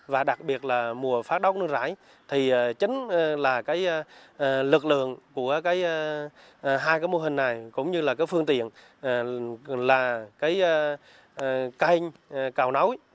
và đặc biệt là mùa phát đốc nước rãi thì chính là lực lượng của hai mô hình này cũng như phương tiện là canh cào nấu